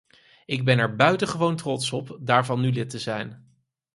Ik ben er buitengewoon trots op daarvan nu lid te zijn.